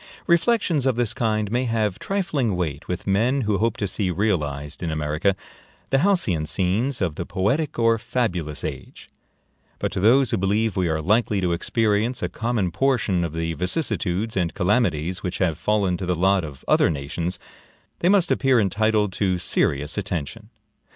Reflections of this kind may have trifling weight with men who hope to see realized in America the halcyon scenes of the poetic or fabulous age; but to those who believe we are likely to experience a common portion of the vicissitudes and calamities which have fallen to the lot of other nations, they must appear entitled to serious attention.